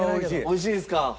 美味しいですか。